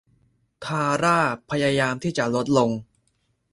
ธาร่าพยายามที่จะลดลง